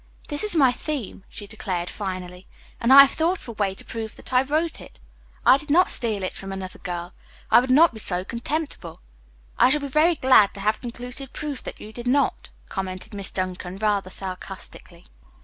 "This is my theme," she declared finally, "and I have thought of a way to prove that I wrote it. I did not steal it from another girl. I would not be so contemptible." "I shall be very glad to have conclusive proof that you did not," commented Miss Duncan rather sarcastically.